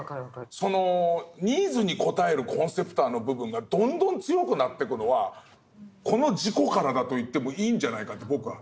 そのニーズに応えるコンセプターの部分がどんどん強くなってくのはこの事故からだと言ってもいいんじゃないかって僕は。